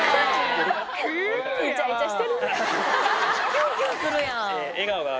キュンキュンするやん。